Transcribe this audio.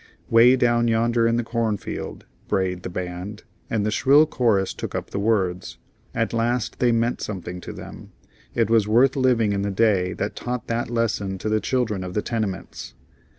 "'Way down yonder in the corn field," brayed the band, and the shrill chorus took up the words. At last they meant something to them. It was worth living in the day that taught that lesson to the children of the tenements.